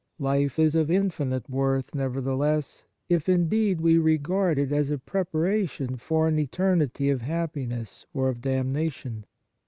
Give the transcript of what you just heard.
Life is of infinite worth, nevertheless, if, indeed, we regard it as a preparation for an eternity of happiness or of damnation.